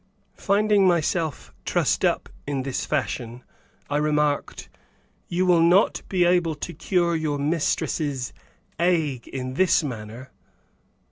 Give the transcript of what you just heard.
(Finding myself trussed up in this fashion, I remarked, "You will not be able to cure your mistress' ague in this manner!"